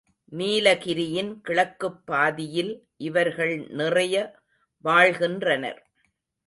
நீலகிரியின் கிழக்குப்பாதியில் இவர்கள் நிறைய வாழ்கின்றனர்.